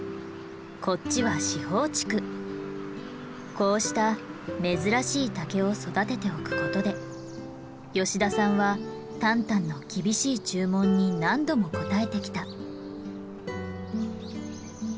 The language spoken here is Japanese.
こうした珍しい竹を育てておくことで吉田さんはタンタンの厳しい注文に何度も応えてきた。